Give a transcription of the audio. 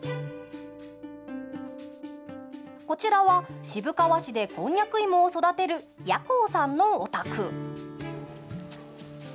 こちらは渋川市でこんにゃく芋を育てる八高さんのお宅。